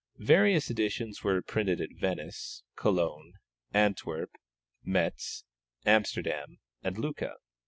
Various editions were printed at Venice, Cologne, Antwerp, Metz, Amsterdam, and Lucca.